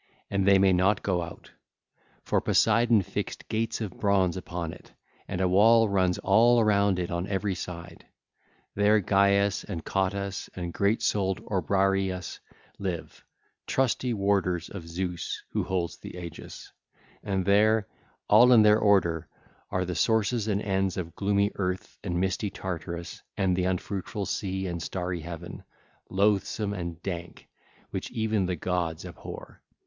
And they may not go out; for Poseidon fixed gates of bronze upon it, and a wall runs all round it on every side. There Gyes and Cottus and great souled Obriareus live, trusty warders of Zeus who holds the aegis. (ll. 736 744) And there, all in their order, are the sources and ends of gloomy earth and misty Tartarus and the unfruitful sea and starry heaven, loathsome and dank, which even the gods abhor.